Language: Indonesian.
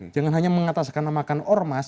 jangan hanya mengataskan namakan ormas